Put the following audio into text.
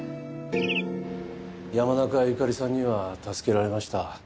山中由佳里さんには助けられました。